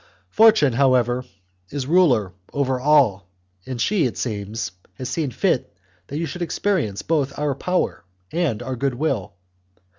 Fortune, however, is ruler over all, and she, it seems, has seen fit that you should experience both our power and our goodwill.